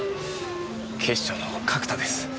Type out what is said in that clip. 警視庁の角田です。